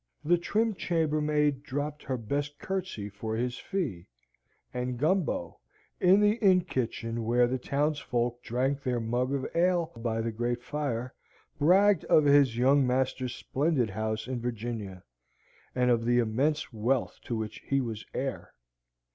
The trim chambermaid dropped her best curtsey for his fee, and Gumbo, in the inn kitchen, where the townsfolk drank their mug of ale by the great fire, bragged of his young master's splendid house in Virginia, and of the immense wealth to which he was heir.